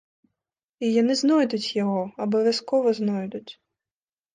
І яны знойдуць яго, абавязкова знойдуць.